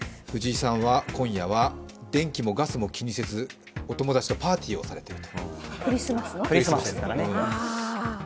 フジイさんは今夜は電気もガスも気にせず、お友達とパーティーをしていると。